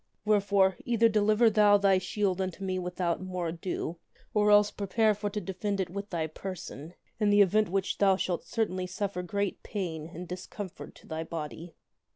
Wherefore, either deliver thou thy shield unto me with out more ado or else prepare for to defend it with thy person in the which event thou shalt certainly suffer great pain and discomfort to thy body."